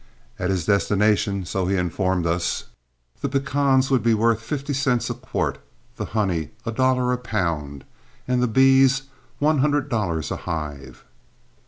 At his destination, so he informed us, the pecans were worth fifty cents a quart, the honey a dollar a pound, and the bees one hundred dollars a hive.